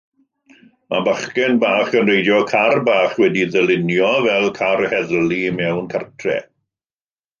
Mae bachgen bach yn reidio car bach wedi'i ddylunio fel car heddlu mewn cartref.